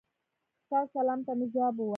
ستا سلام ته مي ځواب ووایه.